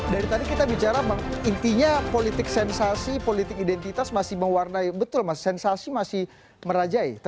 dari tadi kita bicara intinya politik sensasi politik identitas masih mewarnai betul mas sensasi masih merajai